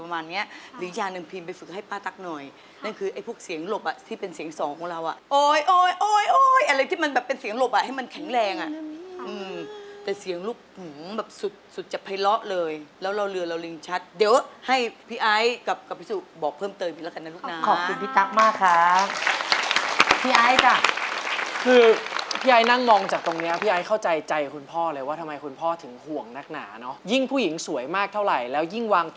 มันก็มีความเป็นธรรมชาติของน้องพรีมอยู่ในนั้น